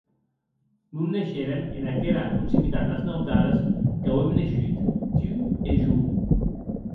Non neisheren en aquera proximitat as nautades qu'auem neishut tu e jo.